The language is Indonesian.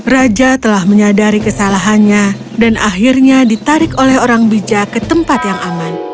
raja telah menyadari kesalahannya dan akhirnya ditarik oleh orang bijak ke tempat yang aman